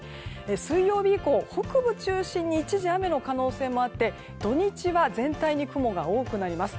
水曜日以降、北部を中心に一時、雨の可能性もあって土日は全体に雲が多くなります。